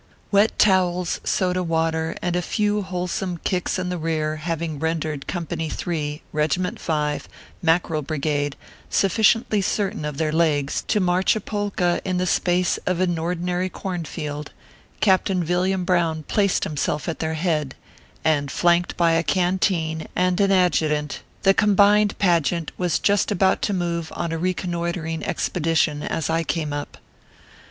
Wet towels, soda water, and a few wholesome kicks in the rear having rendered Company 3, Regi ment 5, Mackerel Brigade, sufficiently certain of their legs to march a polka in the space of an ordinary corn field, Captain Villiam Brown placed himself at their head, and, flanked by a canteen and an adju tant, the combined pageant was just about to move on a reconnoitering expedition as I came up.